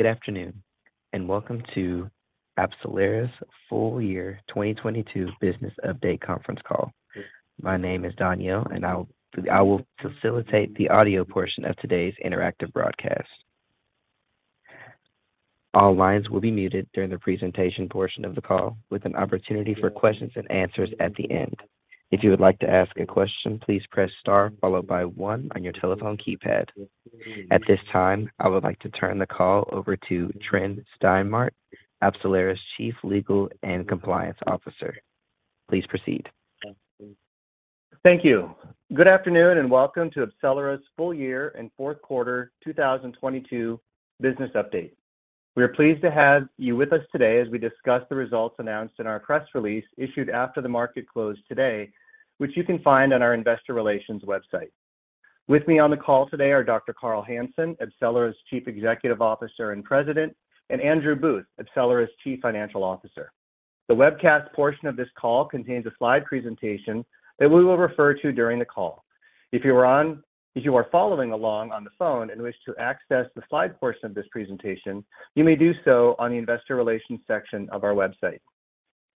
Good afternoon, and welcome to AbCellera's full year 2022 business update conference call. My name is Daniel, and I will facilitate the audio portion of today's interactive broadcast. All lines will be muted during the presentation portion of the call, with an opportunity for questions and answers at the end. If you would like to ask a question, please press star followed by one on your telephone keypad. At this time, I would like to turn the call over to Tryn Stimart, AbCellera's Chief Legal and Compliance Officer. Please proceed. Thank you. Good afternoon, welcome to AbCellera's full year and fourth quarter 2022 business update. We are pleased to have you with us today as we discuss the results announced in our press release issued after the market closed today, which you can find on our investor relations website. With me on the call today are Dr. Carl Hansen, AbCellera's Chief Executive Officer and President, and Andrew Booth, AbCellera's Chief Financial Officer. The webcast portion of this call contains a slide presentation that we will refer to during the call. If you are following along on the phone and wish to access the slide portion of this presentation, you may do so on the investor relations section of our website.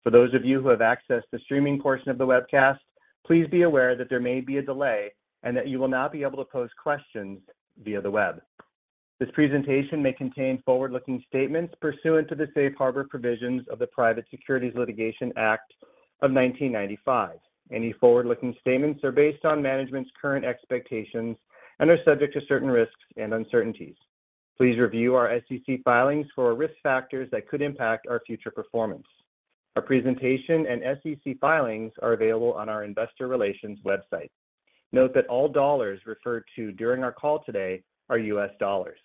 For those of you who have accessed the streaming portion of the webcast, please be aware that there may be a delay and that you will not be able to pose questions via the web. This presentation may contain forward-looking statements pursuant to the Safe Harbor provisions of the Private Securities Litigation Act of 1995. Any forward-looking statements are based on management's current expectations and are subject to certain risks and uncertainties. Please review our SEC filings for risk factors that could impact our future performance. Our presentation and SEC filings are available on our investor relations website. Note that all dollars referred to during our call today are US dollars.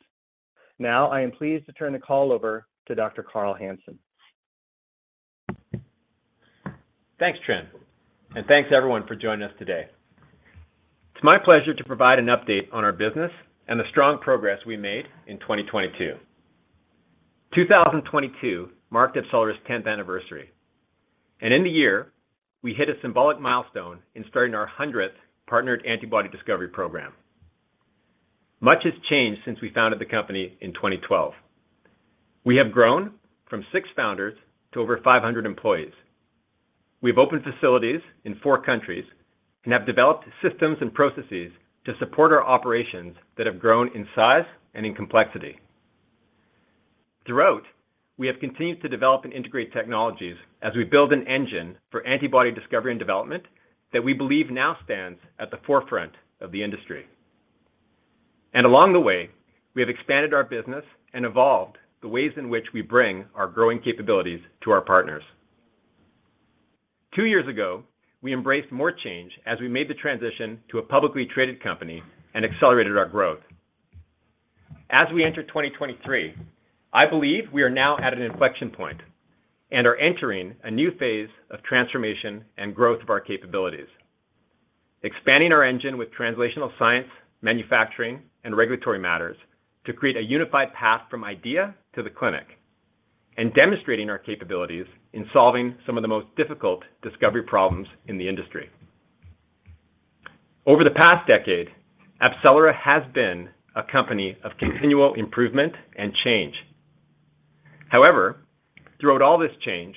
Now, I am pleased to turn the call over to Dr. Carl Hansen. Thanks, Tryn, and thanks everyone for joining us today. It's my pleasure to provide an update on our business and the strong progress we made in 2022. 2022 marked AbCellera's 10th anniversary, and in the year, we hit a symbolic milestone in starting our 100th partnered antibody discovery program. Much has changed since we founded the company in 2012. We have grown from six founders to over 500 employees. We have opened facilities in four countries and have developed systems and processes to support our operations that have grown in size and in complexity. Throughout, we have continued to develop and integrate technologies as we build an engine for antibody discovery and development that we believe now stands at the forefront of the industry. Along the way, we have expanded our business and evolved the ways in which we bring our growing capabilities to our partners. Two years ago, we embraced more change as we made the transition to a publicly traded company and accelerated our growth. We enter 2023, I believe we are now at an inflection point and are entering a new phase of transformation and growth of our capabilities, expanding our engine with translational science, manufacturing, and regulatory matters to create a unified path from idea to the clinic and demonstrating our capabilities in solving some of the most difficult discovery problems in the industry. Over the past decade, AbCellera has been a company of continual improvement and change. Throughout all this change,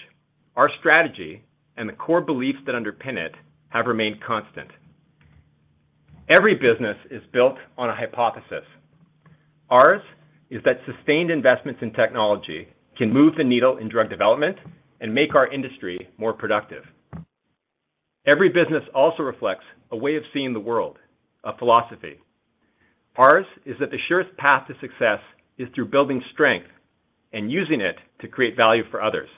our strategy and the core beliefs that underpin it have remained constant. Every business is built on a hypothesis. Ours is that sustained investments in technology can move the needle in drug development and make our industry more productive. Every business also reflects a way of seeing the world, a philosophy. Ours is that the surest path to success is through building strength and using it to create value for others.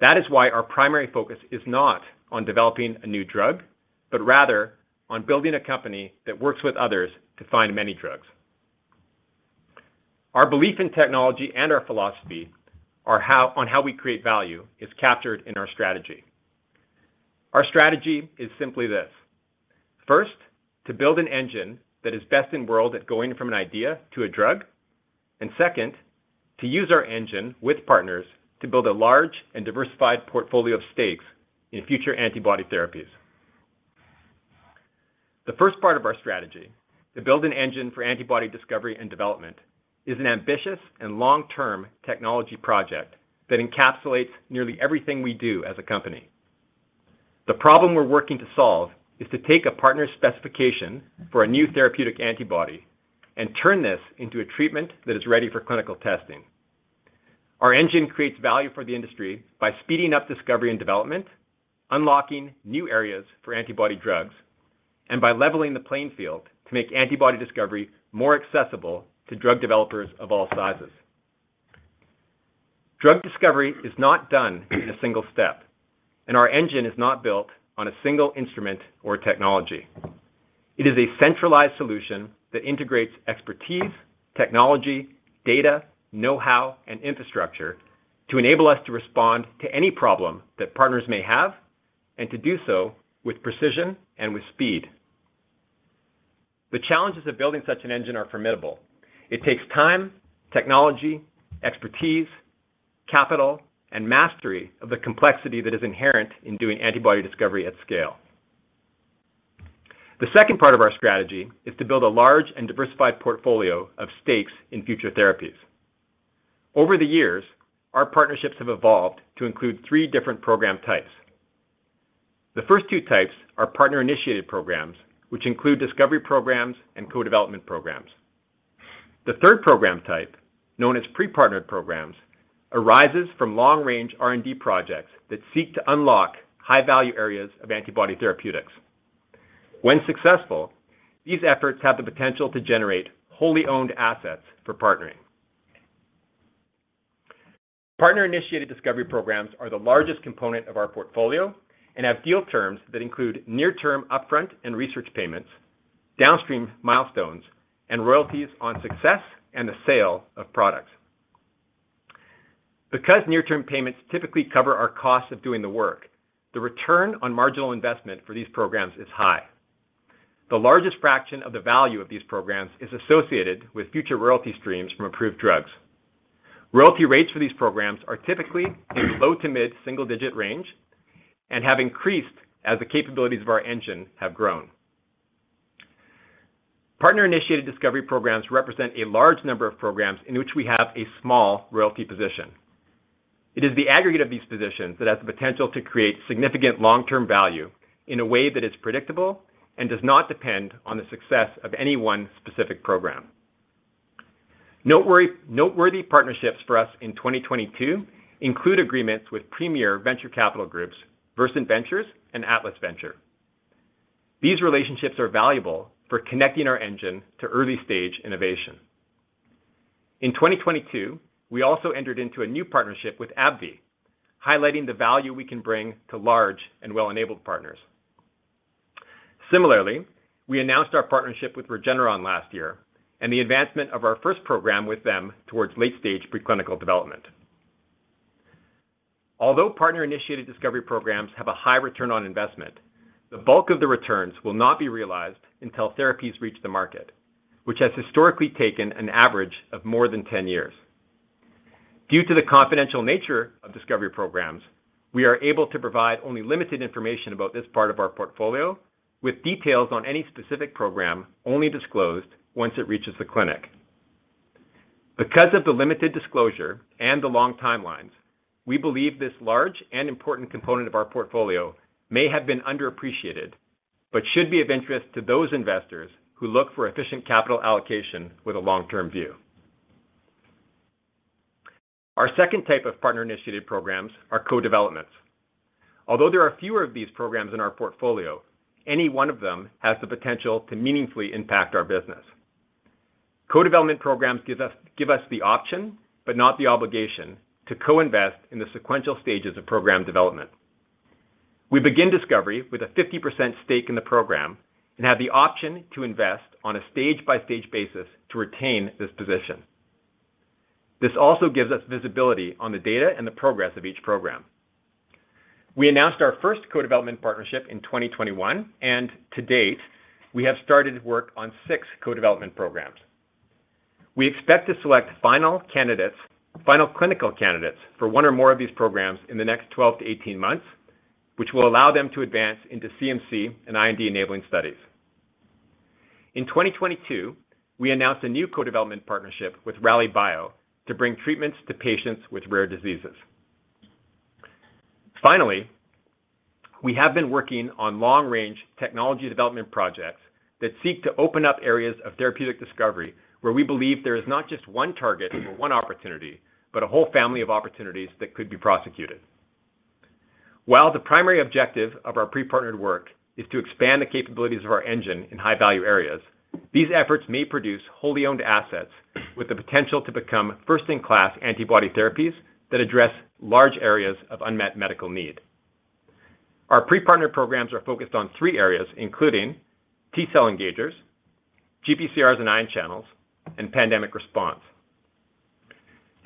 That is why our primary focus is not on developing a new drug, but rather on building a company that works with others to find many drugs. Our belief in technology and our philosophy on how we create value is captured in our strategy. Our strategy is simply this. First, to build an engine that is best in world at going from an idea to a drug, and second, to use our engine with partners to build a large and diversified portfolio of stakes in future antibody therapies. The first part of our strategy, to build an engine for antibody discovery and development, is an ambitious and long-term technology project that encapsulates nearly everything we do as a company. The problem we're working to solve is to take a partner's specification for a new therapeutic antibody and turn this into a treatment that is ready for clinical testing. Our engine creates value for the industry by speeding up discovery and development, unlocking new areas for antibody drugs, and by leveling the playing field to make antibody discovery more accessible to drug developers of all sizes. Drug discovery is not done in a single step, and our engine is not built on a single instrument or technology. It is a centralized solution that integrates expertise, technology, data, know-how, and infrastructure to enable us to respond to any problem that partners may have and to do so with precision and with speed. The challenges of building such an engine are formidable. It takes time, technology, expertise, capital, and mastery of the complexity that is inherent in doing antibody discovery at scale. The second part of our strategy is to build a large and diversified portfolio of stakes in future therapies. Over the years, our partnerships have evolved to include three different program types. The first two types are partner-initiated programs, which include discovery programs and co-development programs. The third program type, known as pre-partnered programs, arises from long-range R&D projects that seek to unlock high-value areas of antibody therapeutics. When successful, these efforts have the potential to generate wholly owned assets for partnering. Partner-initiated discovery programs are the largest component of our portfolio and have deal terms that include near-term upfront and research payments, downstream milestones, and royalties on success and the sale of products. Because near-term payments typically cover our costs of doing the work, the return on marginal investment for these programs is high. The largest fraction of the value of these programs is associated with future royalty streams from approved drugs. Royalty rates for these programs are typically in the low to mid-single digit range and have increased as the capabilities of our engine have grown. Partner-initiated discovery programs represent a large number of programs in which we have a small royalty position. It is the aggregate of these positions that has the potential to create significant long-term value in a way that is predictable and does not depend on the success of any one specific program. Noteworthy partnerships for us in 2022 include agreements with premier venture capital groups, Versant Ventures and Atlas Venture. These relationships are valuable for connecting our engine to early-stage innovation. In 2022, we also entered into a new partnership with AbbVie, highlighting the value we can bring to large and well-enabled partners. Similarly, we announced our partnership with Regeneron last year and the advancement of our first program with them towards late-stage preclinical development. Although partner-initiated discovery programs have a high return on investment, the bulk of the returns will not be realized until therapies reach the market, which has historically taken an average of more than 10 years. Due to the confidential nature of discovery programs, we are able to provide only limited information about this part of our portfolio, with details on any specific program only disclosed once it reaches the clinic. Because of the limited disclosure and the long timelines, we believe this large and important component of our portfolio may have been underappreciated but should be of interest to those investors who look for efficient capital allocation with a long-term view. Our second type of partner-initiated programs are co-developments. Although there are fewer of these programs in our portfolio, any one of them has the potential to meaningfully impact our business. Co-development programs give us the option, but not the obligation, to co-invest in the sequential stages of program development. We begin discovery with a 50% stake in the program and have the option to invest on a stage-by-stage basis to retain this position. This also gives us visibility on the data and the progress of each program. We announced our first co-development partnership in 2021, and to date, we have started work on 6 co-development programs. We expect to select final clinical candidates for 1 or more of these programs in the next 12-18 months, which will allow them to advance into CMC and IND-enabling studies. In 2022, we announced a new co-development partnership with Rallybio to bring treatments to patients with rare diseases. Finally, we have been working on long-range technology development projects that seek to open up areas of therapeutic discovery where we believe there is not just 1 target or 1 opportunity, but a whole family of opportunities that could be prosecuted. While the primary objective of our pre-partnered work is to expand the capabilities of our engine in high-value areas, these efforts may produce wholly owned assets with the potential to become first-in-class antibody therapies that address large areas of unmet medical need. Our pre-partnered programs are focused on three areas, including T-cell engagers, GPCRs and ion channels, and pandemic response.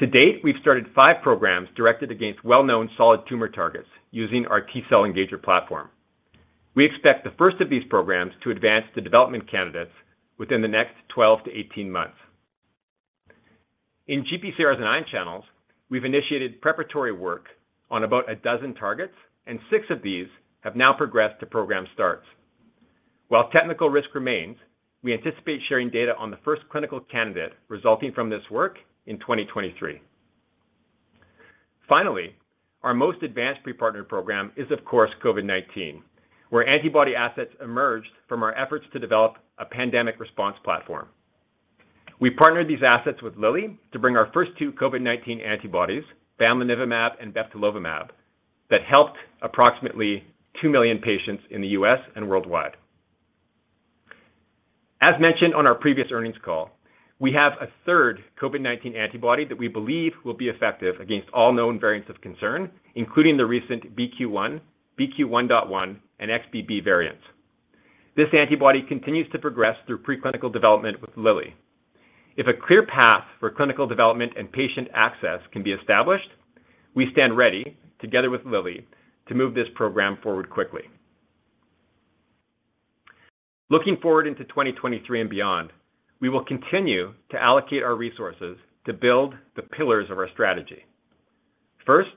To date, we've started five programs directed against well-known solid tumor targets using our T-cell engager platform. We expect the first of these programs to advance to development candidates within the next 12 to 18 months. In GPCRs and ion channels, we've initiated preparatory work on about a dozen targets, and six of these have now progressed to program starts. While technical risk remains, we anticipate sharing data on the first clinical candidate resulting from this work in 2023. Our most advanced pre-partnered program is of course COVID-19, where antibody assets emerged from our efforts to develop a pandemic response platform. We partnered these assets with Lilly to bring our first 2 COVID-19 antibodies, bamlanivimab and bebtelovimab, that helped approximately 2 million patients in the U.S. and worldwide. As mentioned on our previous earnings call, we have a third COVID-19 antibody that we believe will be effective against all known variants of concern, including the recent BQ1.1, and XBB variants. This antibody continues to progress through preclinical development with Lilly. If a clear path for clinical development and patient access can be established, we stand ready, together with Lilly, to move this program forward quickly. Looking forward into 2023 and beyond, we will continue to allocate our resources to build the pillars of our strategy. First,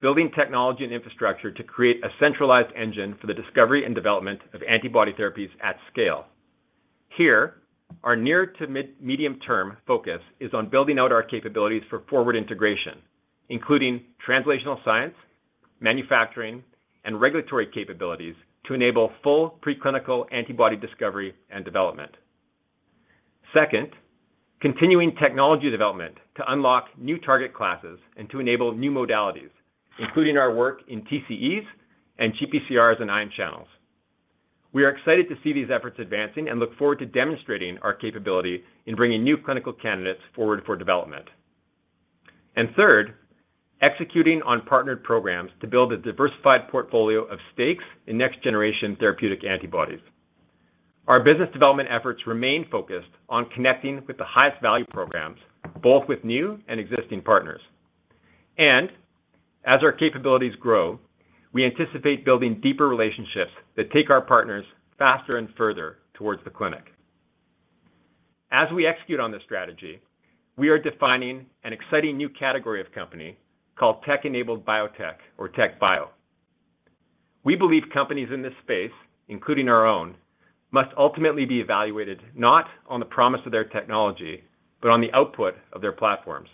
building technology and infrastructure to create a centralized engine for the discovery and development of antibody therapies at scale. Here, our near to medium term focus is on building out our capabilities for forward integration, including translational science, manufacturing, and regulatory capabilities to enable full preclinical antibody discovery and development. Second, continuing technology development to unlock new target classes and to enable new modalities, including our work in TCEs and GPCRs and ion channels. We are excited to see these efforts advancing and look forward to demonstrating our capability in bringing new clinical candidates forward for development. Third, executing on partnered programs to build a diversified portfolio of stakes in next-generation therapeutic antibodies. Our business development efforts remain focused on connecting with the highest value programs, both with new and existing partners. As our capabilities grow, we anticipate building deeper relationships that take our partners faster and further towards the clinic. As we execute on this strategy, we are defining an exciting new category of company called tech-enabled biotech or TechBio. We believe companies in this space, including our own, must ultimately be evaluated not on the promise of their technology, but on the output of their platforms.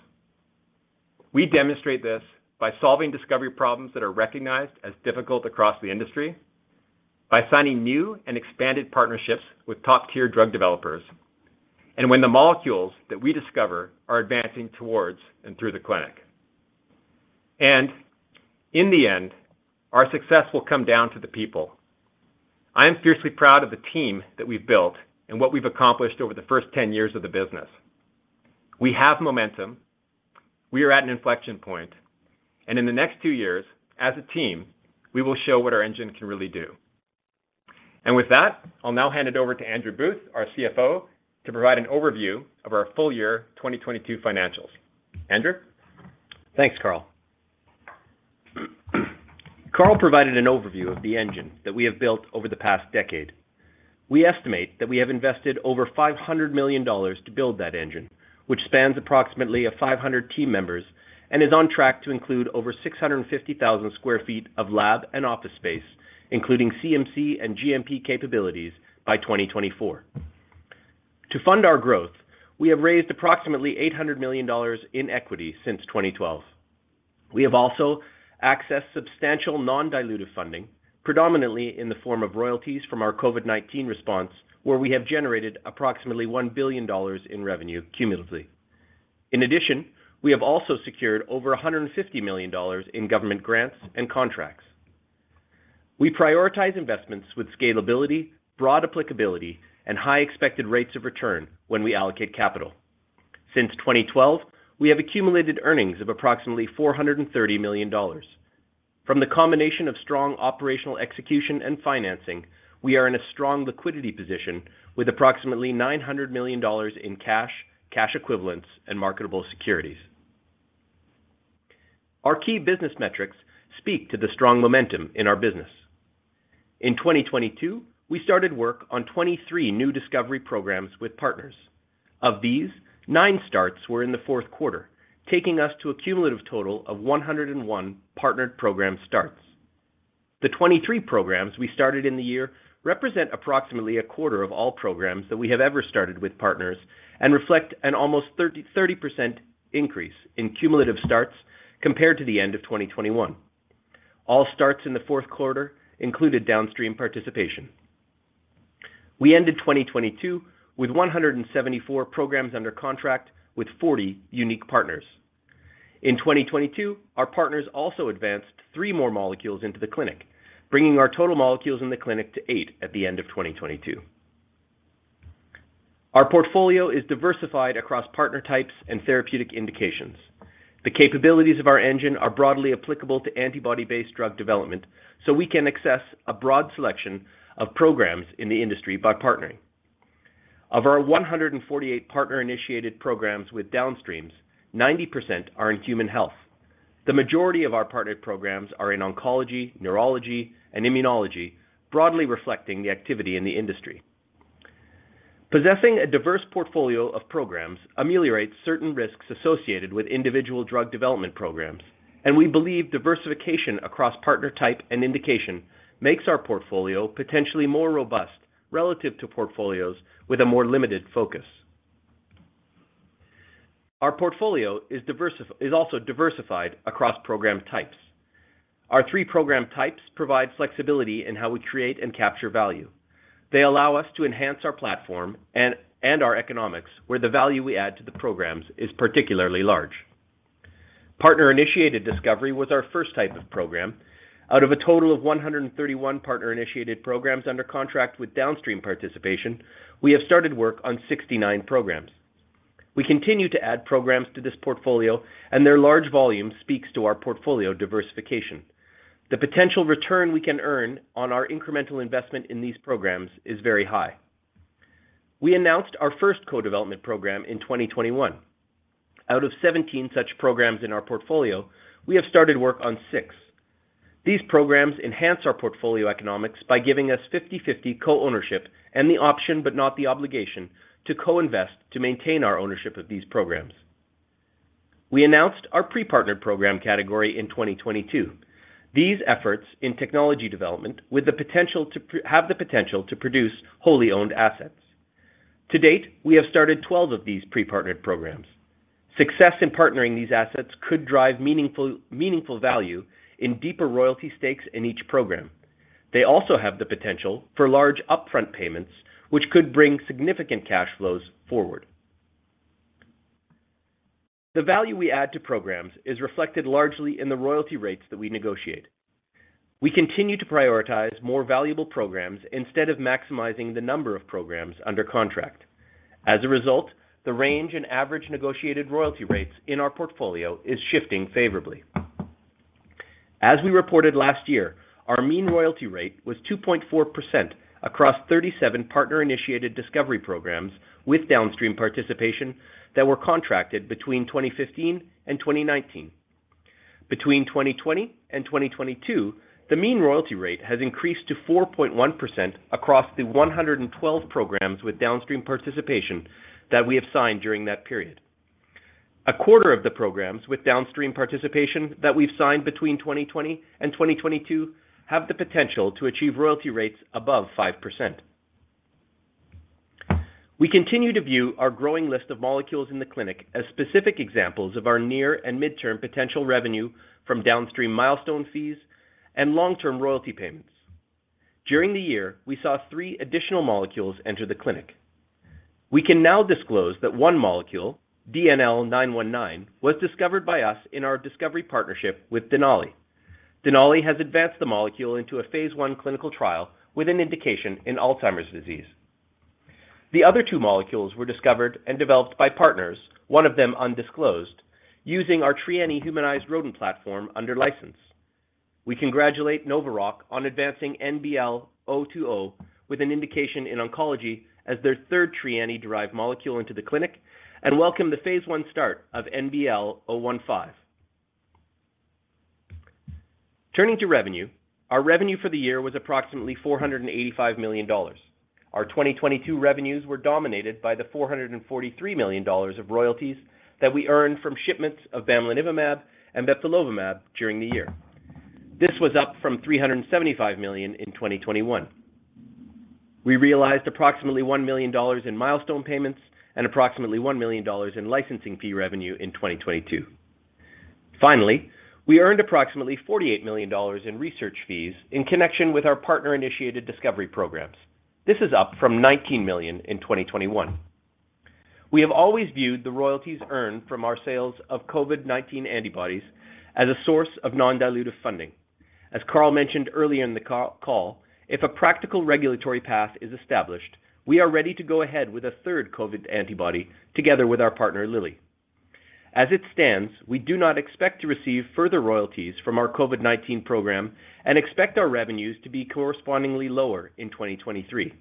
We demonstrate this by solving discovery problems that are recognized as difficult across the industry, by signing new and expanded partnerships with top-tier drug developers, and when the molecules that we discover are advancing towards and through the clinic. In the end, our success will come down to the people. I am fiercely proud of the team that we've built and what we've accomplished over the first 10 years of the business. We have momentum, we are at an inflection point. In the next two years, as a team, we will show what our engine can really do. With that, I'll now hand it over to Andrew Booth, our CFO, to provide an overview of our full year 2022 financials. Andrew. Thanks, Carl. Carl provided an overview of the engine that we have built over the past decade. We estimate that we have invested over $500 million to build that engine, which spans approximately of 500 team members and is on track to include over 650,000 sq ft of lab and office space, including CMC and GMP capabilities by 2024. To fund our growth, we have raised approximately $800 million in equity since 2012. We have also accessed substantial non-dilutive funding, predominantly in the form of royalties from our COVID-19 response, where we have generated approximately $1 billion in revenue cumulatively. In addition, we have also secured over $150 million in government grants and contracts. We prioritize investments with scalability, broad applicability, and high expected rates of return when we allocate capital. Since 2012, we have accumulated earnings of approximately $430 million. From the combination of strong operational execution and financing, we are in a strong liquidity position with approximately $900 million in cash equivalents, and marketable securities. Our key business metrics speak to the strong momentum in our business. In 2022, we started work on 23 new discovery programs with partners. Of these, nine starts were in the fourth quarter, taking us to a cumulative total of 101 partnered program starts. The 23 programs we started in the year represent approximately 1/4 of all programs that we have ever started with partners and reflect an almost 30% increase in cumulative starts compared to the end of 2021. All starts in the fourth quarter included downstream participation. We ended 2022 with 174 programs under contract with 40 unique partners. In 2022, our partners also advanced 3 more molecules into the clinic, bringing our total molecules in the clinic to 8 at the end of 2022. Our portfolio is diversified across partner types and therapeutic indications. The capabilities of our engine are broadly applicable to antibody-based drug development, so we can access a broad selection of programs in the industry by partnering. Of our 148 partner-initiated programs with downstreams, 90% are in human health. The majority of our partnered programs are in oncology, neurology, and immunology, broadly reflecting the activity in the industry. Possessing a diverse portfolio of programs ameliorates certain risks associated with individual drug development programs. We believe diversification across partner type and indication makes our portfolio potentially more robust relative to portfolios with a more limited focus. Our portfolio is also diversified across program types. Our three program types provide flexibility in how we create and capture value. They allow us to enhance our platform and our economics, where the value we add to the programs is particularly large. Partner-initiated discovery was our first type of program. Out of a total of 131 partner-initiated programs under contract with downstream participation, we have started work on 69 programs. We continue to add programs to this portfolio, and their large volume speaks to our portfolio diversification. The potential return we can earn on our incremental investment in these programs is very high. We announced our first co-development program in 2021. Out of 17 such programs in our portfolio, we have started work on 6. These programs enhance our portfolio economics by giving us 50/50 co-ownership and the option, but not the obligation, to co-invest to maintain our ownership of these programs. We announced our pre-partnered program category in 2022. These efforts in technology development have the potential to produce wholly-owned assets. To date, we have started 12 of these pre-partnered programs. Success in partnering these assets could drive meaningful value in deeper royalty stakes in each program. They also have the potential for large upfront payments, which could bring significant cash flows forward. The value we add to programs is reflected largely in the royalty rates that we negotiate. We continue to prioritize more valuable programs instead of maximizing the number of programs under contract. As a result, the range in average negotiated royalty rates in our portfolio is shifting favorably. As we reported last year, our mean royalty rate was 2.4% across 37 partner-initiated discovery programs with downstream participation that were contracted between 2015 and 2019. Between 2020 and 2022, the mean royalty rate has increased to 4.1% across the 112 programs with downstream participation that we have signed during that period. A quarter of the programs with downstream participation that we've signed between 2020 and 2022 have the potential to achieve royalty rates above 5%. We continue to view our growing list of molecules in the clinic as specific examples of our near and midterm potential revenue from downstream milestone fees and long-term royalty payments. During the year, we saw three additional molecules enter the clinic. We can now disclose that one molecule, DNL919, was discovered by us in our discovery partnership with Denali. Denali has advanced the molecule into a phase I clinical trial with an indication in Alzheimer's disease. The other two molecules were discovered and developed by partners, one of them undisclosed, using our Trianni humanized rodent platform under license. We congratulate NovaRock on advancing NBL-020 with an indication in oncology as their third Trianni-derived molecule into the clinic, and welcome the phase I start of NBL-015. Turning to revenue, our revenue for the year was approximately $485 million. Our 2022 revenues were dominated by the $443 million of royalties that we earned from shipments of bamlanivimab and bebtelovimab during the year. This was up from $375 million in 2021. We realized approximately $1 million in milestone payments and approximately $1 million in licensing fee revenue in 2022. Finally, we earned approximately $48 million in research fees in connection with our partner-initiated discovery programs. This is up from $19 million in 2021. We have always viewed the royalties earned from our sales of COVID-19 antibodies as a source of non-dilutive funding. As Carl mentioned earlier in the call, if a practical regulatory path is established, we are ready to go ahead with a third COVID antibody together with our partner, Lilly. As it stands, we do not expect to receive further royalties from our COVID-19 program and expect our revenues to be correspondingly lower in 2023.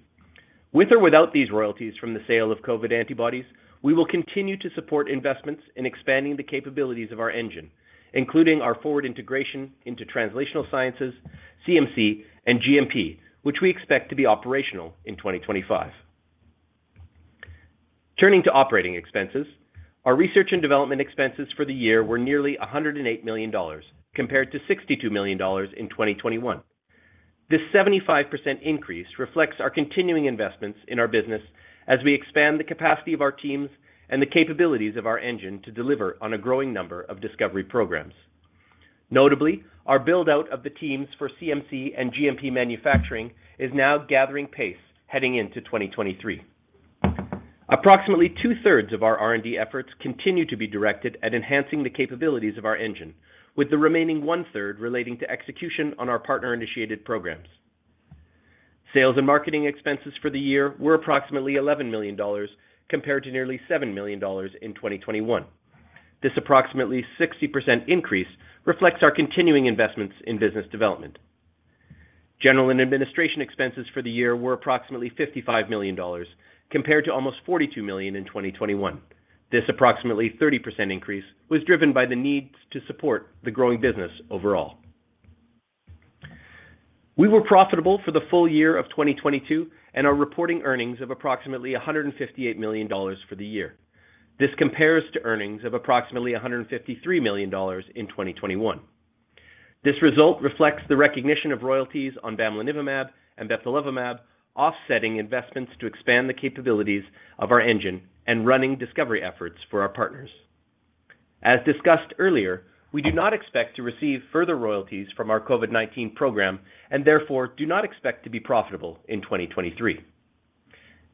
With or without these royalties from the sale of COVID antibodies, we will continue to support investments in expanding the capabilities of our engine, including our forward integration into translational sciences, CMC, and GMP, which we expect to be operational in 2025. Turning to operating expenses, our research and development expenses for the year were nearly $108 million, compared to $62 million in 2021. This 75% increase reflects our continuing investments in our business as we expand the capacity of our teams and the capabilities of our engine to deliver on a growing number of discovery programs. Notably, our build-out of the teams for CMC and GMP manufacturing is now gathering pace heading into 2023. Approximately two-thirds of our R&D efforts continue to be directed at enhancing the capabilities of our engine, with the remaining one-third relating to execution on our partner-initiated programs. Sales and marketing expenses for the year were approximately $11 million, compared to nearly $7 million in 2021. This approximately 60% increase reflects our continuing investments in business development. General and administration expenses for the year were approximately $55 million, compared to almost $42 million in 2021. This approximately 30% increase was driven by the need to support the growing business overall. We were profitable for the full year of 2022 and are reporting earnings of approximately $158 million for the year. This compares to earnings of approximately $153 million in 2021. This result reflects the recognition of royalties on bamlanivimab and bebtelovimab offsetting investments to expand the capabilities of our engine and running discovery efforts for our partners. As discussed earlier, we do not expect to receive further royalties from our COVID-19 program and therefore do not expect to be profitable in 2023.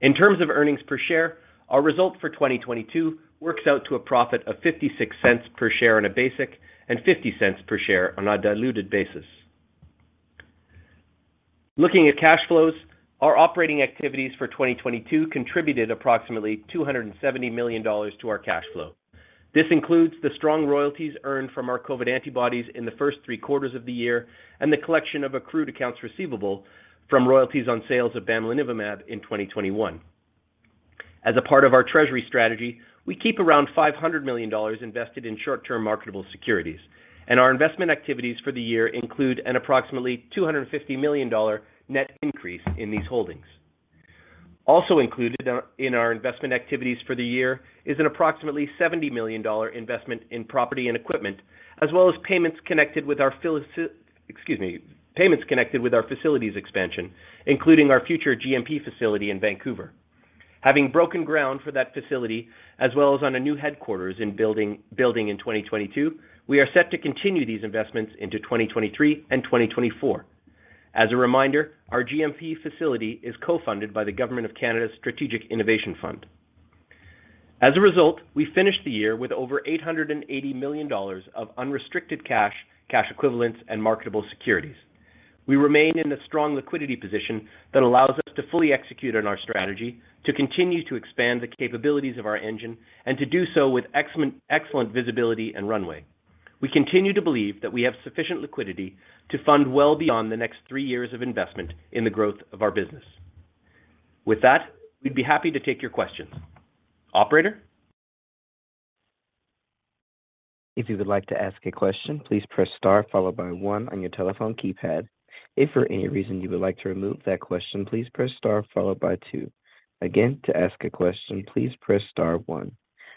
In terms of earnings per share, our result for 2022 works out to a profit of $0.56 per share on a basic and $0.50 per share on a diluted basis. Looking at cash flows, our operating activities for 2022 contributed approximately $270 million to our cash flow. This includes the strong royalties earned from our COVID antibodies in the first three quarters of the year and the collection of accrued accounts receivable from royalties on sales of bamlanivimab in 2021. As a part of our treasury strategy, we keep around $500 million invested in short-term marketable securities. Our investment activities for the year include an approximately $250 million net increase in these holdings. Also included in our investment activities for the year is an approximately $70 million investment in property and equipment, as well as, Excuse me, payments connected with our facilities expansion, including our future GMP facility in Vancouver. Having broken ground for that facility as well as on a new headquarters building in 2022, we are set to continue these investments into 2023 and 2024. As a reminder, our GMP facility is co-funded by the Government of Canada Strategic Innovation Fund. As a result, we finished the year with over $880 million of unrestricted cash equivalents, and marketable securities. We remain in a strong liquidity position that allows us to fully execute on our strategy to continue to expand the capabilities of our engine and to do so with excellent visibility and runway. We continue to believe that we have sufficient liquidity to fund well beyond the next three years of investment in the growth of our business. With that, we'd be happy to take your questions. Operator? If you would like to ask a question, please press star followed by one on your telephone keypad. If for any reason you would like to remove that question, please press star followed by two. Again, to ask a question, please press star one.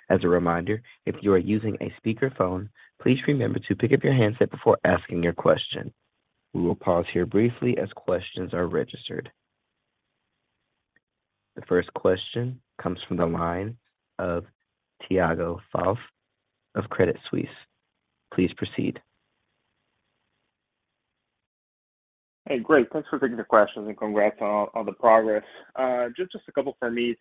As a reminder, if you are using a speakerphone, please remember to pick up your handset before asking your question. We will pause here briefly as questions are registered. The first question comes from the line of Tiago Fauth of Credit Suisse. Please proceed. Hey, great. Thanks for taking the questions and congrats on the progress. Just a couple for me.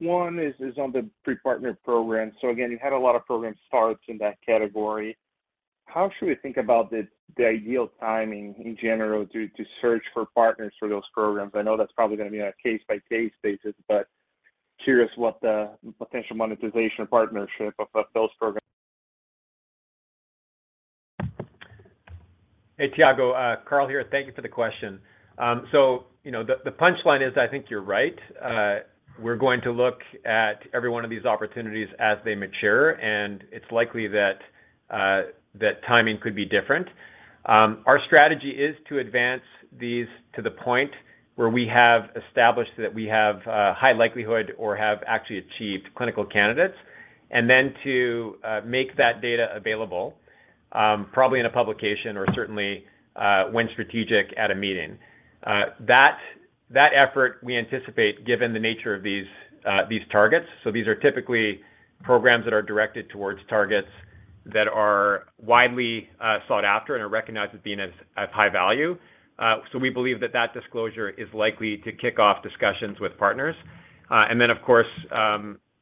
One is on the pre-partner program. Again, you had a lot of program starts in that category. How should we think about the ideal timing in general to search for partners for those programs? I know that's probably gonna be on a case by case basis, but curious what the potential monetization partnership of those programs. Hey, Tiago. Carl here. Thank you for the question. You know, the punchline is I think you're right. We're going to look at every one of these opportunities as they mature, and it's likely that timing could be different. Our strategy is to advance these to the point where we have established that we have high likelihood or have actually achieved clinical candidates, and then to make that data available, probably in a publication or certainly, when strategic at a meeting. That effort we anticipate given the nature of these targets. These are typically programs that are directed towards targets that are widely sought after and are recognized as being as high value. We believe that that disclosure is likely to kick off discussions with partners. Then of course,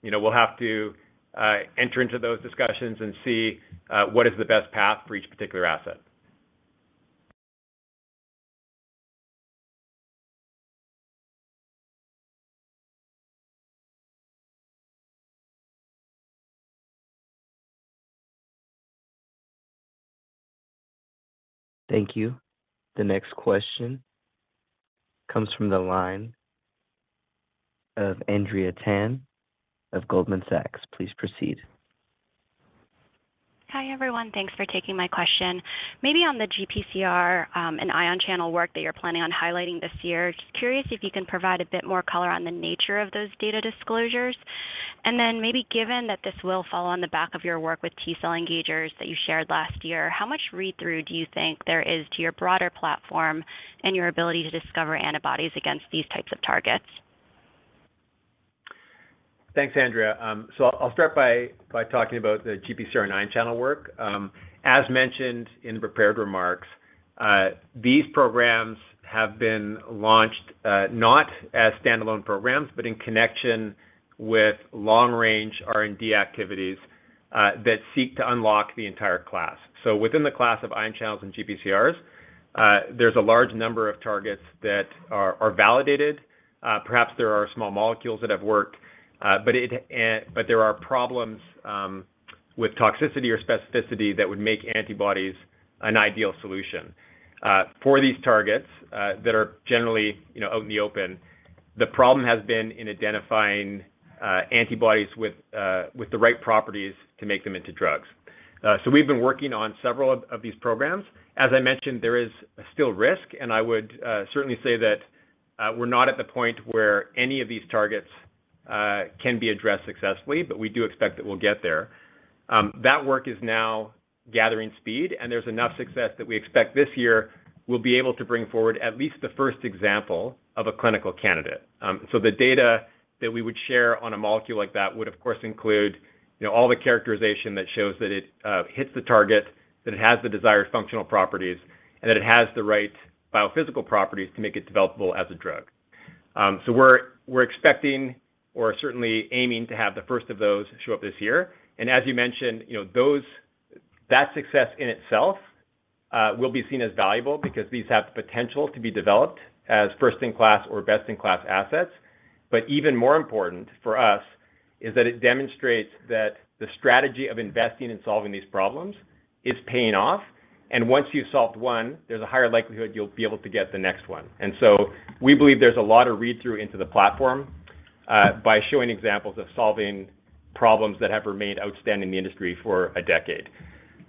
you know, we'll have to enter into those discussions and see what is the best path for each particular asset. Thank you. The next question comes from the line of Andrea Tan of Goldman Sachs. Please proceed. Hi, everyone. Thanks for taking my question. Maybe on the GPCR and ion channel work that you're planning on highlighting this year, just curious if you can provide a bit more color on the nature of those data disclosures. Maybe given that this will follow on the back of your work with T-cell engagers that you shared last year, how much read-through do you think there is to your broader platform and your ability to discover antibodies against these types of targets? Thanks, Andrea. I'll start by talking about the GPCR ion channel work. As mentioned in prepared remarks, these programs have been launched, not as standalone programs, but in connection with long-range R&D activities, that seek to unlock the entire class. Within the class of ion channels and GPCRs, there's a large number of targets that are validated. Perhaps there are small molecules that have worked, but there are problems, with toxicity or specificity that would make antibodies an ideal solution. For these targets, that are generally, you know, out in the open, the problem has been in identifying, antibodies with the right properties to make them into drugs. We've been working on several of these programs. As I mentioned, there is still risk, and I would certainly say that we're not at the point where any of these targets can be addressed successfully, but we do expect that we'll get there. That work is now gathering speed, and there's enough success that we expect this year we'll be able to bring forward at least the first example of a clinical candidate. The data that we would share on a molecule like that would, of course, include, you know, all the characterization that shows that it hits the target, that it has the desired functional properties, and that it has the right biophysical properties to make it developable as a drug. We're expecting or certainly aiming to have the first of those show up this year. As you mentioned, you know, those... That success in itself will be seen as valuable because these have the potential to be developed as first in class or best in class assets. Even more important for us is that it demonstrates that the strategy of investing in solving these problems is paying off, and once you've solved one, there's a higher likelihood you'll be able to get the next one. We believe there's a lot of read-through into the platform by showing examples of solving problems that have remained outstanding in the industry for a decade.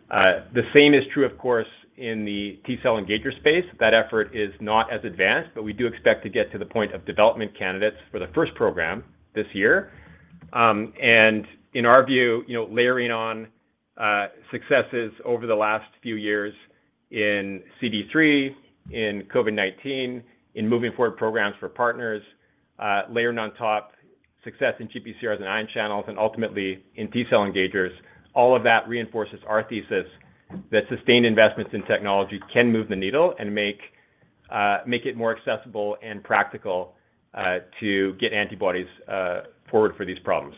The same is true, of course, in the T-cell engager space. That effort is not as advanced, but we do expect to get to the point of development candidates for the first program this year. In our view, you know, layering on successes over the last few years in CD3, in COVID-19, in moving forward programs for partners, layering on top success in GPCRs and ion channels and ultimately in T-cell engagers, all of that reinforces our thesis that sustained investments in technology can move the needle and make it more accessible and practical to get antibodies forward for these problems.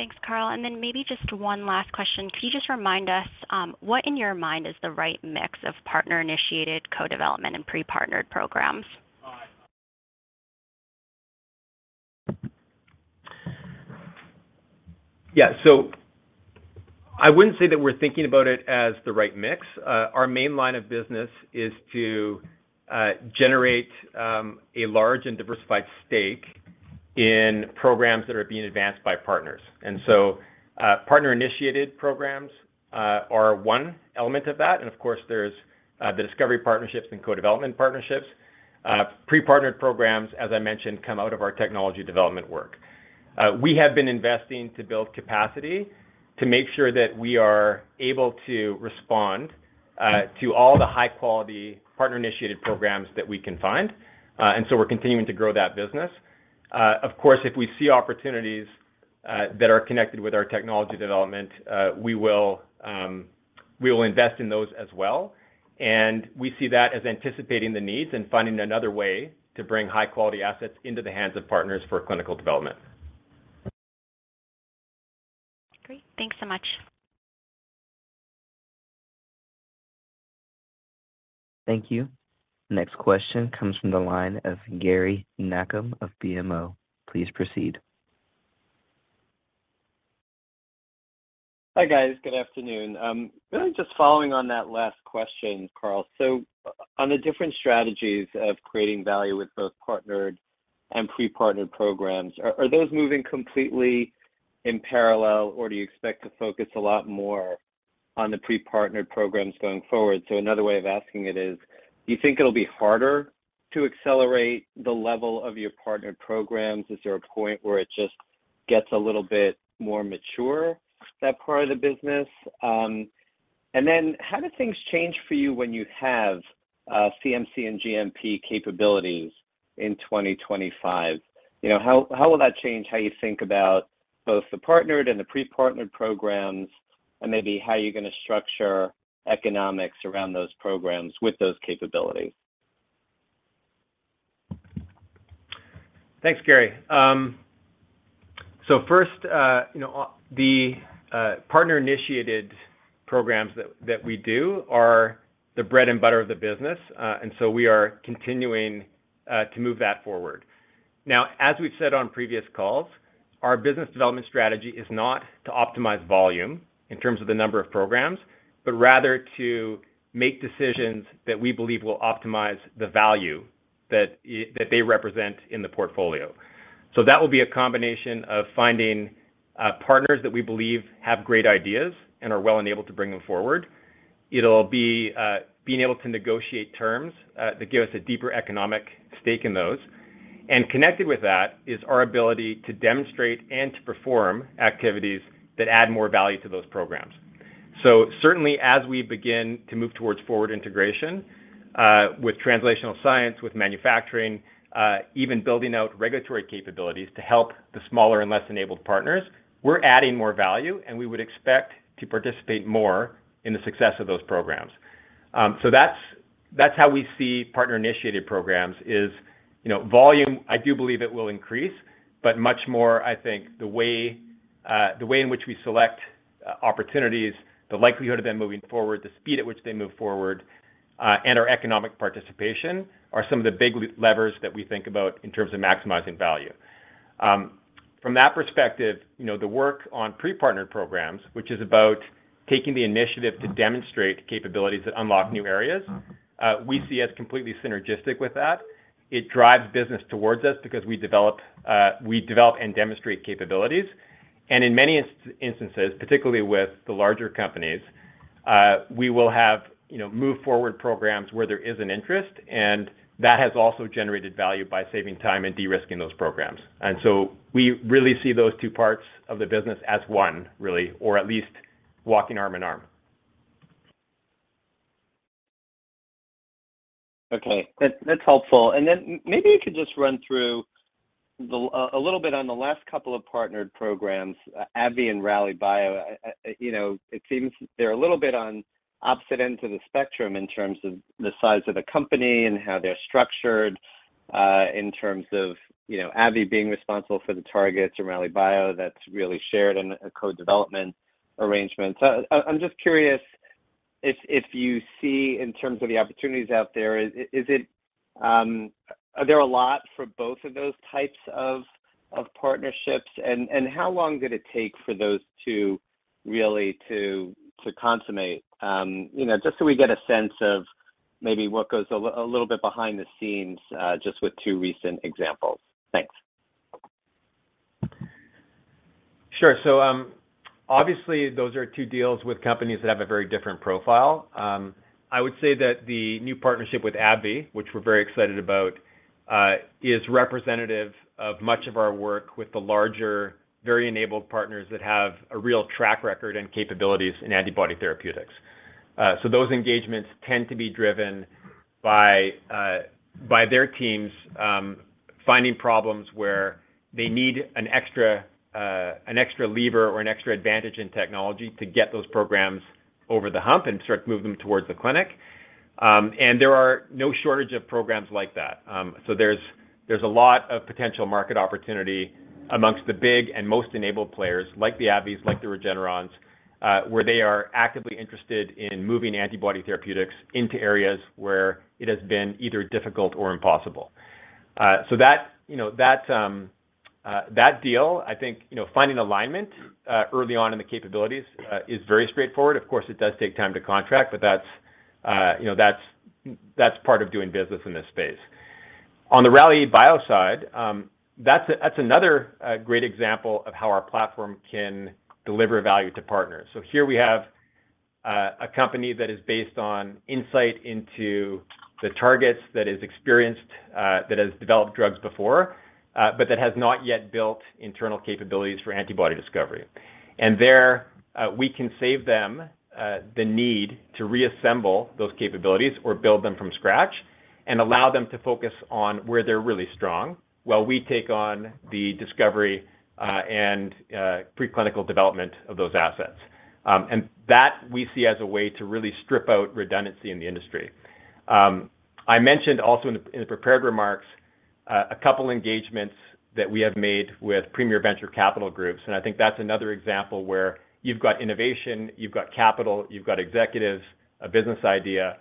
Thanks, Carl. Maybe just one last question. Could you just remind us, what in your mind is the right mix of partner-initiated co-development and pre-partnered programs? Yeah. I wouldn't say that we're thinking about it as the right mix. Our main line of business is to generate a large and diversified stake in programs that are being advanced by partners. Partner-initiated programs are one element of that, and of course, there's the discovery partnerships and co-development partnerships. Pre-partnered programs, as I mentioned, come out of our technology development work. We have been investing to build capacity to make sure that we are able to respond to all the high-quality partner-initiated programs that we can find, and so we're continuing to grow that business. Of course, if we see opportunities that are connected with our technology development, we will invest in those as well. We see that as anticipating the needs and finding another way to bring high-quality assets into the hands of partners for clinical development. Great. Thanks so much. Thank you. Next question comes from the line of Gary Nachman of BMO. Please proceed. Hi, guys. Good afternoon. Really just following on that last question, Carl. On the different strategies of creating value with both partnered and pre-partnered programs, are those moving completely in parallel, or do you expect to focus a lot more on the pre-partnered programs going forward? Another way of asking it is, do you think it'll be harder to accelerate the level of your partnered programs? Is there a point where it just gets a little bit more mature, that part of the business? And then how do things change for you when you have CMC and GMP capabilities in 2025? You know, how will that change how you think about both the partnered and the pre-partnered programs and maybe how you're going to structure economics around those programs with those capabilities? Thanks, Gary. First, you know, the partner-initiated programs that we do are the bread and butter of the business, and so we are continuing to move that forward. Now, as we've said on previous calls, our business development strategy is not to optimize volume in terms of the number of programs, but rather to make decisions that we believe will optimize the value that they represent in the portfolio. That will be a combination of finding partners that we believe have great ideas and are well enabled to bring them forward. It'll be being able to negotiate terms that give us a deeper economic stake in those. Connected with that is our ability to demonstrate and to perform activities that add more value to those programs. Certainly, as we begin to move towards forward integration, with translational science, with manufacturing, even building out regulatory capabilities to help the smaller and less enabled partners, we're adding more value, and we would expect to participate more in the success of those programs. That's, that's how we see partner-initiated programs is, you know, volume, I do believe it will increase, but much more, I think, the way, the way in which we select opportunities, the likelihood of them moving forward, the speed at which they move forward, and our economic participation are some of the big levers that we think about in terms of maximizing value. From that perspective, you know, the work on pre-partnered programs, which is about taking the initiative to demonstrate capabilities that unlock new areas, we see as completely synergistic with that. It drives business towards us because we develop and demonstrate capabilities. In many instances, particularly with the larger companies, we will have, you know, move forward programs where there is an interest, and that has also generated value by saving time and de-risking those programs. We really see those two parts of the business as one, really, or at least walking arm in arm. Okay. That's helpful. Then maybe you could just run through the little bit on the last couple of partnered programs, AbbVie and Rallybio. You know, it seems they're a little bit on opposite ends of the spectrum in terms of the size of the company and how they're structured, in terms of, you know, AbbVie being responsible for the targets or Rallybio that's really shared in a co-development arrangement. I'm just curious if you see in terms of the opportunities out there, is it, are there a lot for both of those types of partnerships? How long did it take for those two really to consummate? You know, just so we get a sense of maybe what goes a little bit behind the scenes, just with two recent examples. Thanks. Sure. Obviously, those are two deals with companies that have a very different profile. I would say that the new partnership with AbbVie, which we're very excited about, is representative of much of our work with the larger, very enabled partners that have a real track record and capabilities in antibody therapeutics. Those engagements tend to be driven by their teams, finding problems where they need an extra lever or an extra advantage in technology to get those programs over the hump and start to move them towards the clinic. There are no shortage of programs like that. There's a lot of potential market opportunity amongst the big and most enabled players like the AbbVies, like the Regenerons, where they are actively interested in moving antibody therapeutics into areas where it has been either difficult or impossible. That, you know, that deal, I think, you know, finding alignment early on in the capabilities is very straightforward. Of course, it does take time to contract, but that's, you know, that's part of doing business in this space. On the Rallybio side, that's another great example of how our platform can deliver value to partners. Here we have a company that is based on insight into the targets that has experienced that has developed drugs before, but that has not yet built internal capabilities for antibody discovery. There, we can save them, the need to reassemble those capabilities or build them from scratch and allow them to focus on where they're really strong while we take on the discovery, and pre-clinical development of those assets. That we see as a way to really strip out redundancy in the industry. I mentioned also in the, in the prepared remarks, a couple engagements that we have made with premier venture capital groups, and I think that's another example where you've got innovation, you've got capital, you've got executives, a business idea,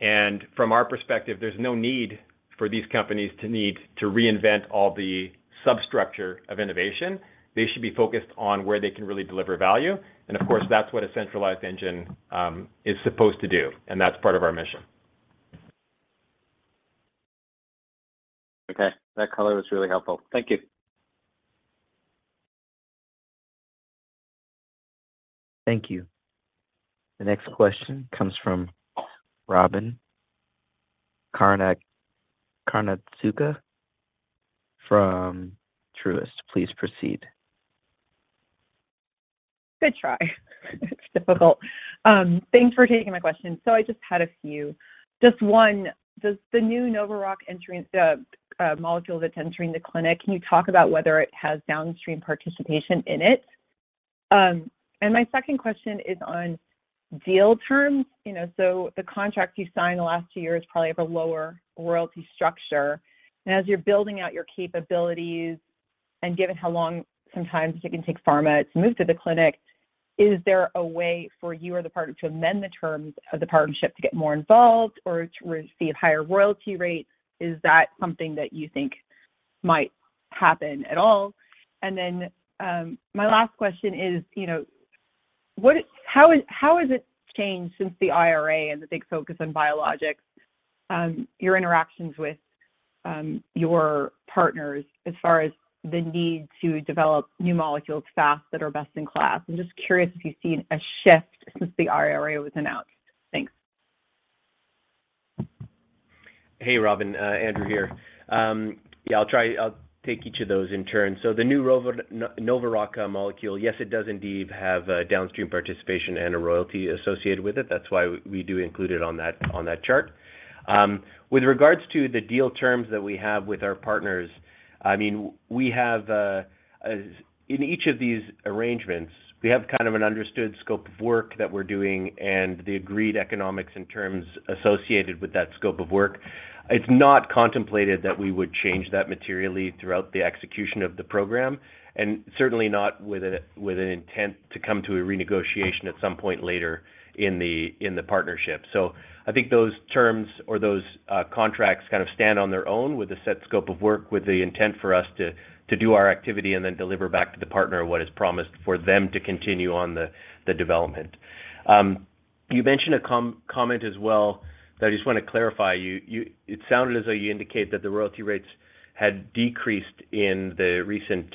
and from our perspective, there's no need for these companies to need to reinvent all the substructure of innovation. They should be focused on where they can really deliver value. Of course, that's what a centralized engine is supposed to do, and that's part of our mission. Okay. That color was really helpful. Thank you. Thank you. The next question comes from Robyn Karnauskas from Truist. Please proceed. Good try. It's difficult. Thanks for taking my question. I just had a few. Just one, does the new NovaRock molecule that's entering the clinic, can you talk about whether it has downstream participation in it? My second question is on deal terms. You know, the contracts you signed the last two years probably have a lower royalty structure. As you're building out your capabilities, and given how long sometimes it can take pharma to move to the clinic, is there a way for you or the partner to amend the terms of the partnership to get more involved or to receive higher royalty rates? Is that something that you think might happen at all? My last question is, you know, how has it changed since the IRA and the big focus on biologics, your interactions with your partners as far as the need to develop new molecules fast that are best in class? I'm just curious if you've seen a shift since the IRA was announced. Thanks. Hey, Robyn. Andrew here. Yeah, I'll take each of those in turn. The new NovaRock molecule, yes, it does indeed have downstream participation and a royalty associated with it. That's why we do include it on that chart. With regards to the deal terms that we have with our partners, I mean, we have In each of these arrangements, we have kind of an understood scope of work that we're doing and the agreed economics and terms associated with that scope of work. It's not contemplated that we would change that materially throughout the execution of the program, and certainly not with an intent to come to a renegotiation at some point later in the partnership. I think those terms or those contracts kind of stand on their own with a set scope of work, with the intent for us to do our activity and then deliver back to the partner what is promised for them to continue on the development. You mentioned a comment as well that I just want to clarify. You it sounded as though you indicate that the royalty rates had decreased in the recent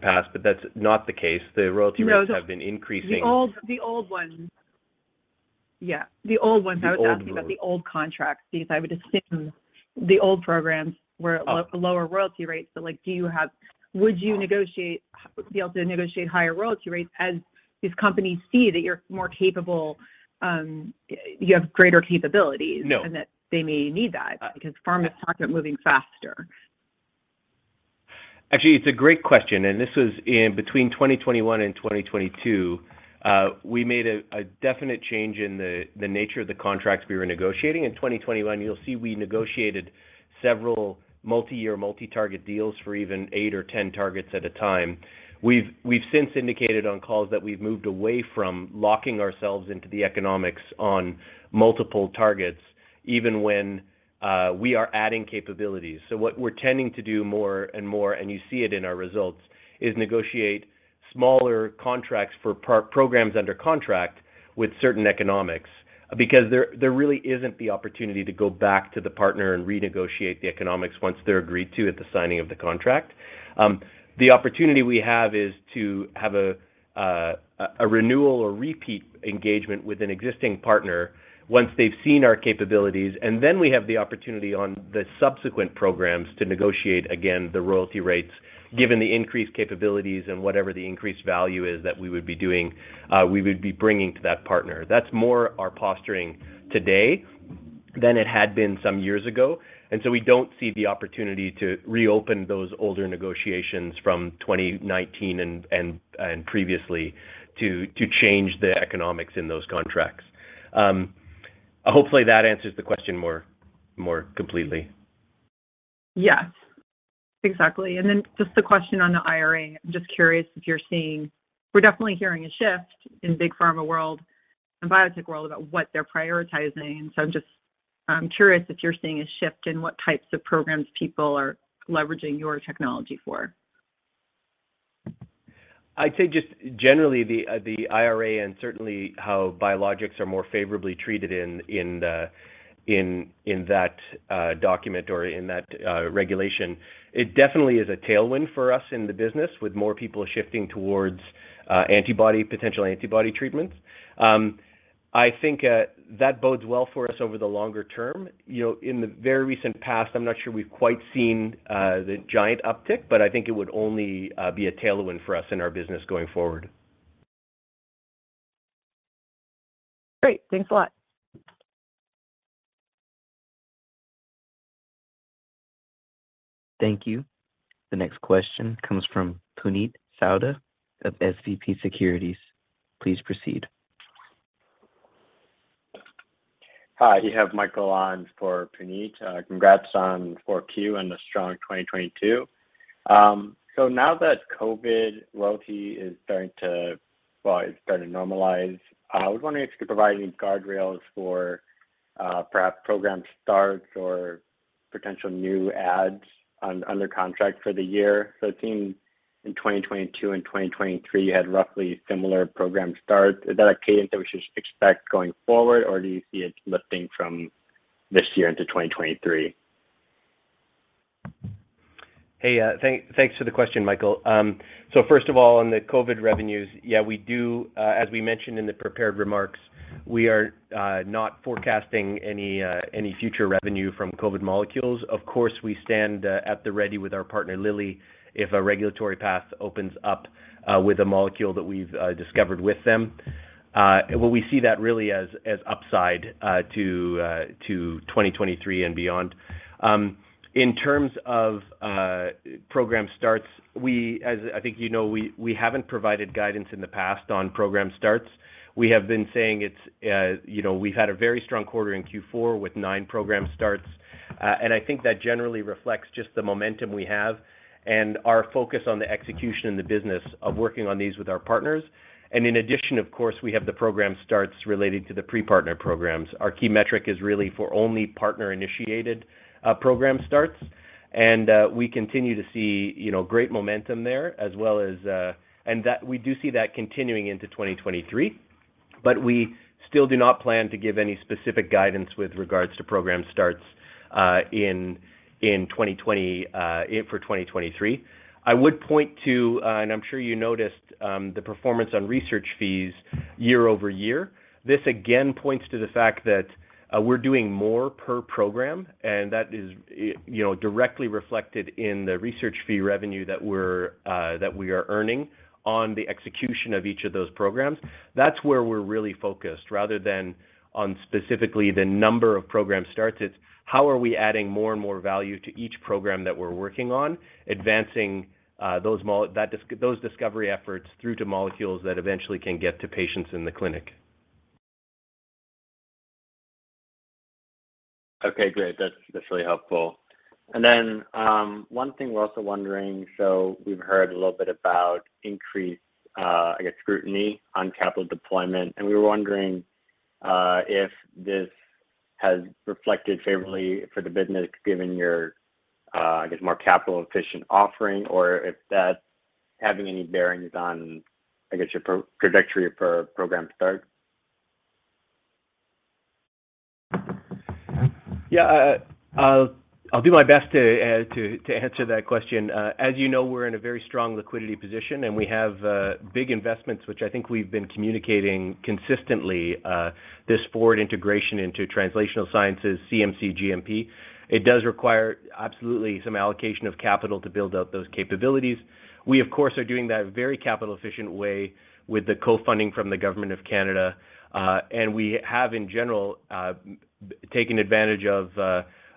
past, but that's not the case. The royalty rates- No. have been increasing. The old ones. Yeah. The old ones. The old ones. I was asking about the old contracts, because I would assume the old programs were- Oh lower royalty rates. Like, be able to negotiate higher royalty rates as these companies see that you're more capable, you have greater capabilities? No That they may need that because pharma is not moving faster. Actually, it's a great question. This was in between 2021 and 2022. We made a definite change in the nature of the contracts we were negotiating. In 2021, you'll see we negotiated several multi-year, multi-target deals for even eight targets or 10 targets at a time. We've since indicated on calls that we've moved away from locking ourselves into the economics on multiple targets. Even when we are adding capabilities. What we're tending to do more and more, and you see it in our results, is negotiate smaller contracts for programs under contract with certain economics because there really isn't the opportunity to go back to the partner and renegotiate the economics once they're agreed to at the signing of the contract. The opportunity we have is to have a renewal or repeat engagement with an existing partner once they've seen our capabilities, and then we have the opportunity on the subsequent programs to negotiate again the royalty rates given the increased capabilities and whatever the increased value is that we would be doing, we would be bringing to that partner. That's more our posturing today than it had been some years ago. We don't see the opportunity to reopen those older negotiations from 2019 and previously to change the economics in those contracts. Hopefully that answers the question more completely. Yes. Exactly. Just a question on the IRA. I'm just curious if you're seeing. We're definitely hearing a shift in big pharma world and biotech world about what they're prioritizing. I'm just curious if you're seeing a shift in what types of programs people are leveraging your technology for. I'd say just generally the IRA and certainly how biologics are more favorably treated in that document or in that regulation, it definitely is a tailwind for us in the business with more people shifting towards antibody, potential antibody treatments. I think that bodes well for us over the longer term. You know, in the very recent past, I'm not sure we've quite seen the giant uptick, but I think it would only be a tailwind for us in our business going forward. Great. Thanks a lot. Thank you. The next question comes from Puneet Souda of SVB Securities. Please proceed. Hi. You have Michael on for Puneet. Congrats on 4Q and a strong 2022. Now that COVID royalty is starting to normalize, I was wondering if you could provide any guardrails for, perhaps program starts or potential new ads under contract for the year. It seems in 2022 and 2023, you had roughly similar program starts. Is that a cadence that we should expect going forward, or do you see it lifting from this year into 2023? Hey, thanks for the question, Michael. First of all, on the COVID revenues, yeah, we do, as we mentioned in the prepared remarks, we are not forecasting any future revenue from COVID molecules. Of course, we stand at the ready with our partner, Lilly, if a regulatory path opens up with a molecule that we've discovered with them. What we see that really as upside to 2023 and beyond. In terms of program starts, we, as I think you know, we haven't provided guidance in the past on program starts. We have been saying it's, you know, we've had a very strong quarter in Q4 with nine program starts. I think that generally reflects just the momentum we have and our focus on the execution in the business of working on these with our partners. In addition, of course, we have the program starts related to the pre-partner programs. Our key metric is really for only partner-initiated program starts. We continue to see, you know, great momentum there as well as. We do see that continuing into 2023, but we still do not plan to give any specific guidance with regards to program starts for 2023. I would point to, and I'm sure you noticed, the performance on research fees year-over-year. This again points to the fact that, we're doing more per program, and that is, you know, directly reflected in the research fee revenue that we are earning on the execution of each of those programs. That's where we're really focused rather than on specifically the number of program starts. It's how are we adding more and more value to each program that we're working on, advancing, those discovery efforts through to molecules that eventually can get to patients in the clinic. Okay, great. That's really helpful. One thing we're also wondering, we've heard a little bit about increased, I guess, scrutiny on capital deployment, and we were wondering if this has reflected favorably for the business given your, I guess, more capital efficient offering, or if that's having any bearings on, I guess, your pro-trajectory for program start? I'll do my best to answer that question. As you know, we're in a very strong liquidity position, and we have big investments, which I think we've been communicating consistently, this forward integration into translational sciences, CMC GMP. It does require absolutely some allocation of capital to build out those capabilities. We, of course, are doing that very capital efficient way with the co-funding from the Government of Canada. We have in general, taken advantage of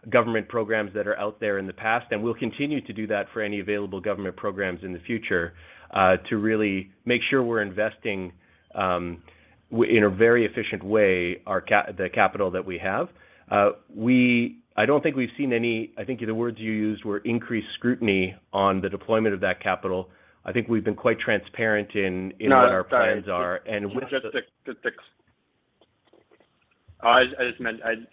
government programs that are out there in the past, and we'll continue to do that for any available government programs in the future, to really make sure we're investing in a very efficient way our capital that we have. I don't think we've seen any. I think the words you used were increased scrutiny on the deployment of that capital. I think we've been quite transparent in what our plans are. No, I'm sorry. We're just- Just the, I just meant,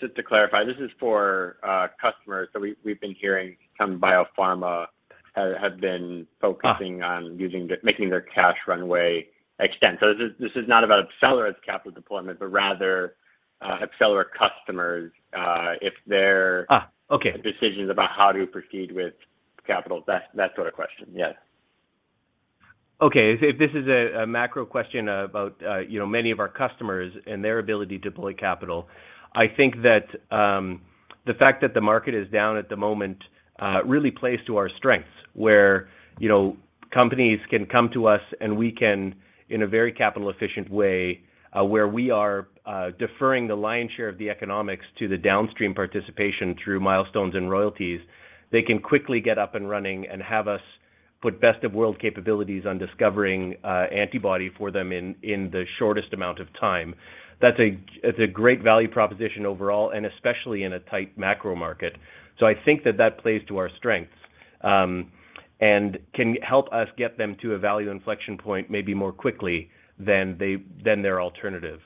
just to clarify, this is for customers that we've been hearing some biopharma have been focusing on using making their cash runway extend. This is not about AbCellera's capital deployment, but rather, AbCellera customers, if they're- Okay. decisions about how to proceed with capital. That sort of question. Yes. Okay. If this is a macro question about, you know, many of our customers and their ability to deploy capital, I think that the fact that the market is down at the moment, really plays to our strengths, where, you know, companies can come to us and we can, in a very capital efficient way, where we are, deferring the lion's share of the economics to the downstream participation through milestones and royalties, they can quickly get up and running and have us put best of world capabilities on discovering antibody for them in the shortest amount of time. That's a, that's a great value proposition overall, and especially in a tight macro market. I think that that plays to our strengths, and can help us get them to a value inflection point maybe more quickly than they, than their alternative.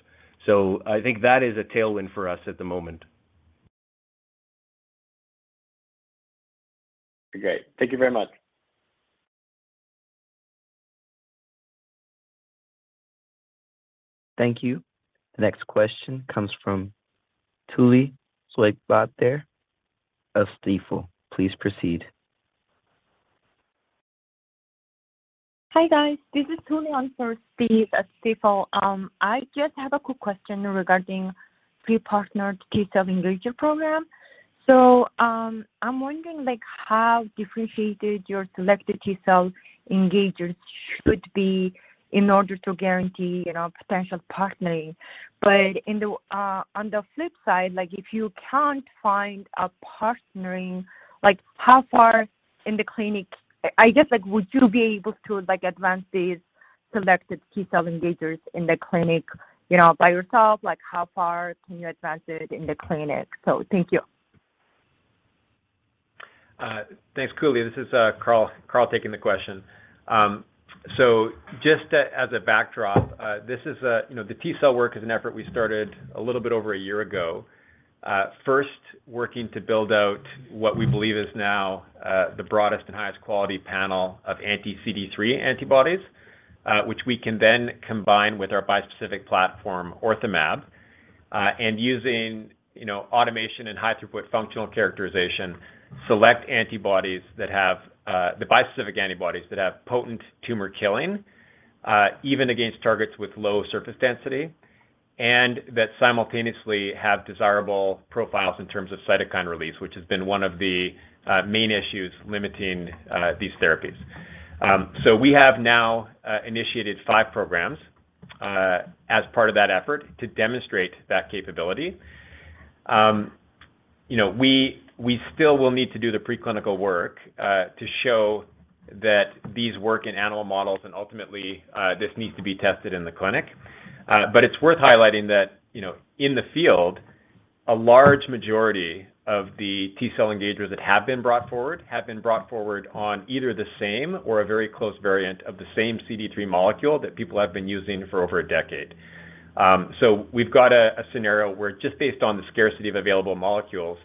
I think that is a tailwind for us at the moment. Great. Thank you very much. Thank you. The next question comes from Tully of Stifel. Please proceed. Hi, guys. This is Tully on for Steve at Stifel. I just have a quick question regarding pre-partner T-cell engagement program. I'm wondering like how differentiated your selected T-cell engagers should be in order to guarantee, you know, potential partnering. In the on the flip side, like if you can't find a partnering, like how far in the clinic, I guess, like would you be able to like advance these selected T-cell engagers in the clinic, you know, by yourself? How far can you advance it in the clinic? Thank you. Thanks, Tully. This is Carl taking the question. Just as a backdrop, this is a, you know, the T-cell work is an effort we started a little bit over one year ago, first working to build out what we believe is now the broadest and highest quality panel of anti-CD3 antibodies, which we can then combine with our bispecific platform, OrthoMab, and using, you know, automation and high throughput functional characterization, select antibodies that have the bispecific antibodies that have potent tumor killing, even against targets with low surface density, and that simultaneously have desirable profiles in terms of cytokine release, which has been one of the main issues limiting these therapies. We have now initiated five programs as part of that effort to demonstrate that capability. You know, we still will need to do the preclinical work to show that these work in animal models, and ultimately, this needs to be tested in the clinic. It's worth highlighting that, you know, in the field, a large majority of the T-cell engagers that have been brought forward have been brought forward on either the same or a very close variant of the same CD3 molecule that people have been using for over a decade. We've got a scenario where just based on the scarcity of available molecules,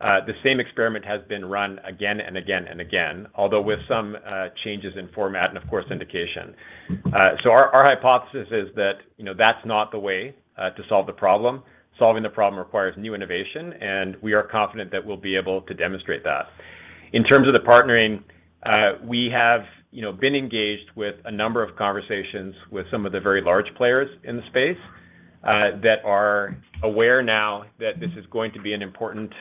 the same experiment has been run again and again and again, although with some changes in format and of course indication. Our hypothesis is that, you know, that's not the way to solve the problem. Solving the problem requires new innovation, and we are confident that we'll be able to demonstrate that. In terms of the partnering, we have, you know, been engaged with a number of conversations with some of the very large players in the space, that are aware now that this is going to be an important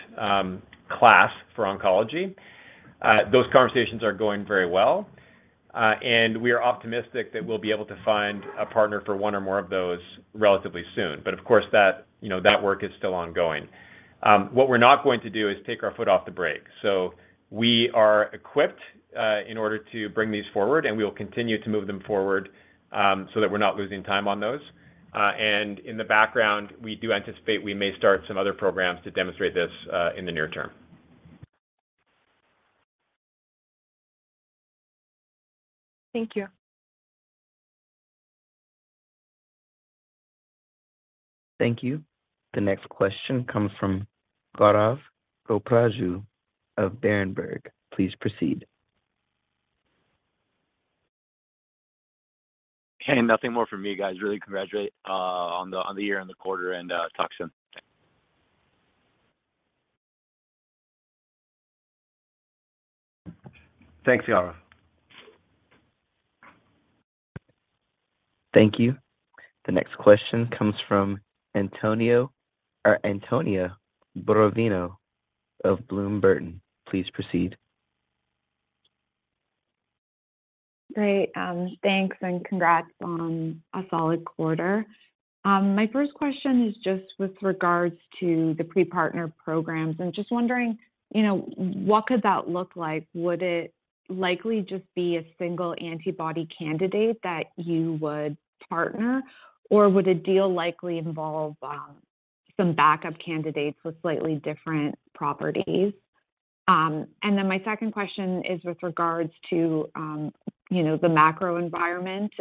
class for oncology. Those conversations are going very well, and we are optimistic that we'll be able to find a partner for one or more of those relatively soon. Of course that, you know, that work is still ongoing. What we're not going to do is take our foot off the brake. We are equipped in order to bring these forward, and we will continue to move them forward, so that we're not losing time on those. In the background, we do anticipate we may start some other programs to demonstrate this in the near term. Thank you. Thank you. The next question comes from Gaurav Goparaju of Berenberg. Please proceed. Okay. Nothing more from me, guys. Really congratulate on the year and the quarter and talk soon. Thanks, Gaurav. Thank you. The next question comes from Antonio or Antonia Borovina of Bloom Burton. Please proceed. Great. Thanks, and congrats on a solid quarter. My first question is just with regards to the pre-partner programs. I'm just wondering, you know, what could that look like? Would it likely just be a single antibody candidate that you would partner, or would a deal likely involve, some backup candidates with slightly different properties? Then my second question is with regards to, you know, the macro environment.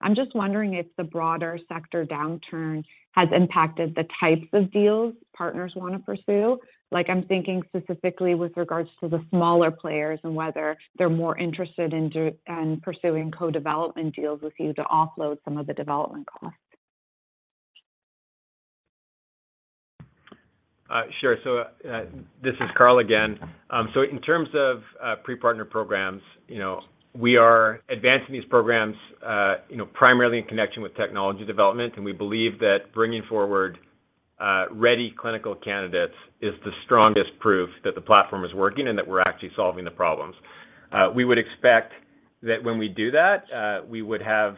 I'm just wondering if the broader sector downturn has impacted the types of deals partners wanna pursue. Like, I'm thinking specifically with regards to the smaller players and whether they're more interested in pursuing co-development deals with you to offload some of the development costs. Sure. This is Carl again. In terms of pre-partner programs, you know, we are advancing these programs, you know, primarily in connection with technology development, and we believe that bringing forward ready clinical candidates is the strongest proof that the platform is working and that we're actually solving the problems. We would expect that when we do that, we would have,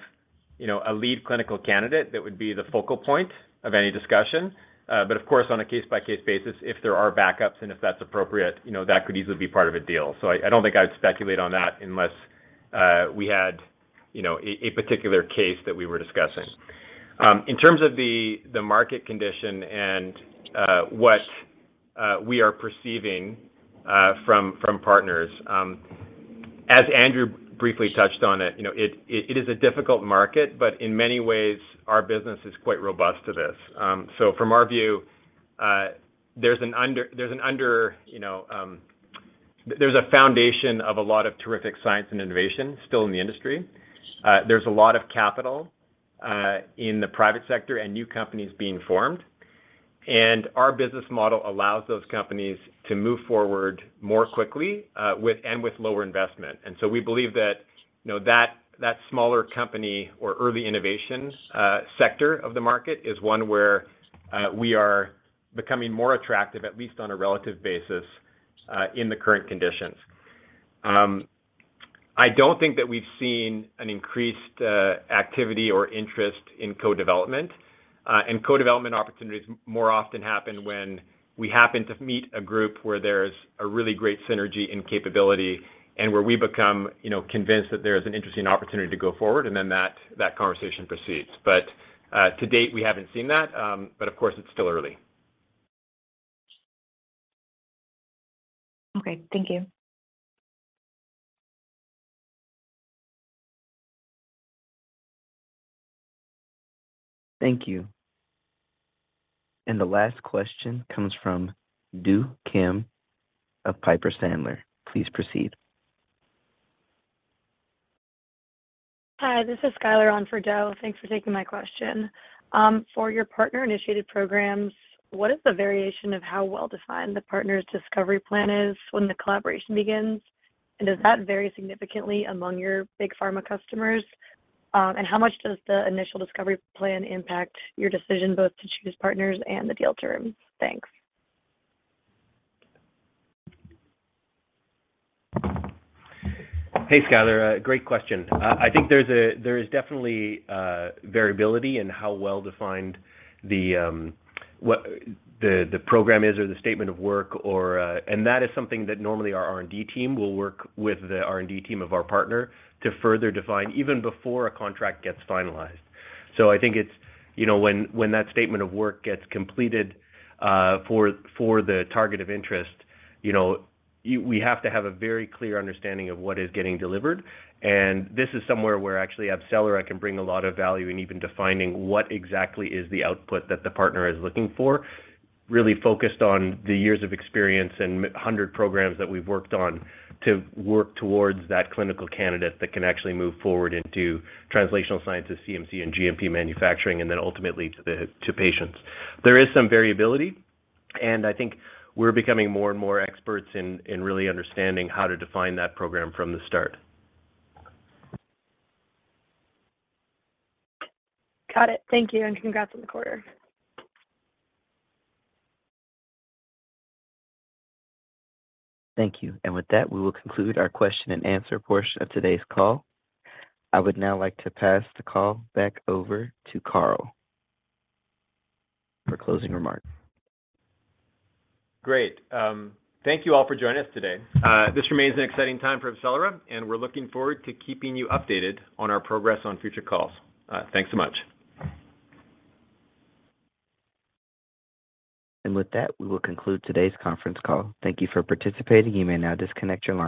you know, a lead clinical candidate that would be the focal point of any discussion. Of course, on a case-by-case basis, if there are backups and if that's appropriate, you know, that could easily be part of a deal. I don't think I'd speculate on that unless we had, you know, a particular case that we were discussing. In terms of the market condition and what we are perceiving from partners, as Andrew briefly touched on it, you know, it is a difficult market, but in many ways, our business is quite robust to this. From our view, there's an under, you know, there's a foundation of a lot of terrific science and innovation still in the industry. There's a lot of capital in the private sector and new companies being formed. Our business model allows those companies to move forward more quickly with, and with lower investment. We believe that, you know, that smaller company or early innovations sector of the market is one where we are becoming more attractive, at least on a relative basis, in the current conditions. I don't think that we've seen an increased activity or interest in co-development, and co-development opportunities more often happen when we happen to meet a group where there's a really great synergy and capability and where we become, you know, convinced that there's an interesting opportunity to go forward, and then that conversation proceeds. To date, we haven't seen that, but of course, it's still early. Okay, thank you. Thank you. The last question comes from Do Kim of Piper Sandler. Please proceed. Hi, this is Schuyler on for Do. Thanks for taking my question. For your partner-initiated programs, what is the variation of how well-defined the partner's discovery plan is when the collaboration begins? Does that vary significantly among your big pharma customers? How much does the initial discovery plan impact your decision both to choose partners and the deal terms? Thanks. Hey, Schuyler. Great question. I think there is definitely variability in how well-defined the what the program is or the statement of work or. That is something that normally our R&D team will work with the R&D team of our partner to further define even before a contract gets finalized. I think it's, you know, when that statement of work gets completed, for the target of interest, you know, we have to have a very clear understanding of what is getting delivered. This is somewhere where actually AbCellera can bring a lot of value in even defining what exactly is the output that the partner is looking for, really focused on the years of experience and 100 programs that we've worked on to work towards that clinical candidate that can actually move forward into translational sciences, CMC, and GMP manufacturing, ultimately to patients. There is some variability, and I think we're becoming more and more experts in really understanding how to define that program from the start. Got it. Thank you, and congrats on the quarter. Thank you. With that, we will conclude our question and answer portion of today's call. I would now like to pass the call back over to Carl for closing remarks. Great. Thank you all for joining us today. This remains an exciting time for AbCellera, and we're looking forward to keeping you updated on our progress on future calls. Thanks so much. With that, we will conclude today's conference call. Thank you for participating. You may now disconnect your line.